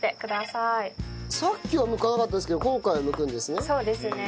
さっきはむかなかったですけど今回はむくんですね。